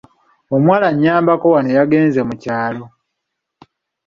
Omuwala anyambako wano yagenze mu kyalo.